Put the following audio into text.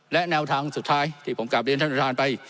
แนวทางที่สุดท้ายที่ผมกลับเรียนท่านบริธารณ์ไป